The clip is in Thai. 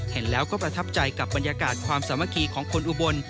เห็นแล้วก็ประทับใจกับบรรยากาศความสามัคคีของคนอุบล